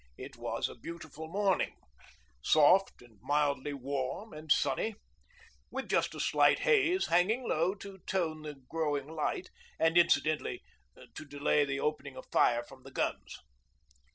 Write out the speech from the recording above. It was a beautiful morning soft and mildly warm and sunny, with just a slight haze hanging low to tone the growing light, and, incidentally, to delay the opening of fire from the guns.